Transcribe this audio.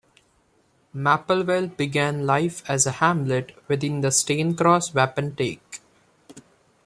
Mapplewell began life as a hamlet within the Staincross Wapentake.